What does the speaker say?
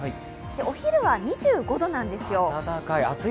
お昼は２５度なんですよ。